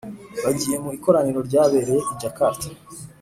bagiye mu ikoraniro ryabereye i Jakarta